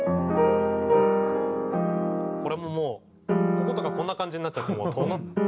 これももうこことかこんな感じになっちゃって。